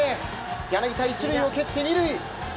柳田、１塁を蹴って２塁。